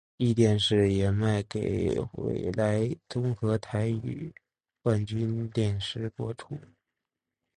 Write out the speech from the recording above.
壹电视也卖给纬来综合台与冠军电视播出。